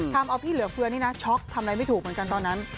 ทำเอาพี่เหลือเฟือนี่นะช็อกทำอะไรไม่ถูกเหมือนกันตอนนั้น